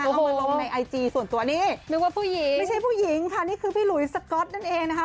เอามาลงในไอจีส่วนตัวนี้นึกว่าผู้หญิงไม่ใช่ผู้หญิงค่ะนี่คือพี่หลุยสก๊อตนั่นเองนะคะ